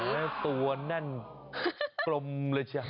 โอ๊ยตัวนั้นกลมเลยจ้ะ